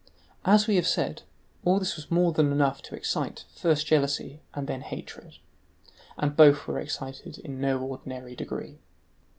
As we have said, all this was more than enough to excite, first jealousy, and then hatred. And both were excited in no ordinary degree.